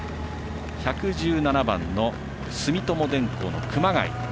１１７番、住友電工の熊谷。